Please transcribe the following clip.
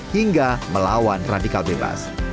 hingga melawan radikal bebas